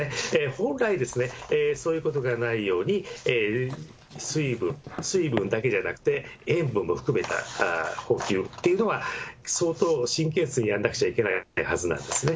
本来、そういうことがないように、水分だけじゃなくて、塩分も含めた補給というのが相当神経質にやんなくちゃいけないはずなんですね。